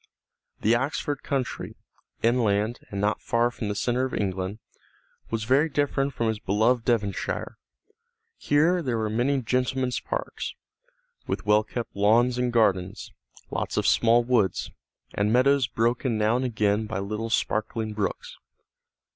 The Oxford country, inland and not far from the centre of England, was very different from his beloved Devonshire. Here there were many gentlemen's parks, with well kept lawns and gardens, lots of small woods, and meadows broken now and again by little sparkling brooks.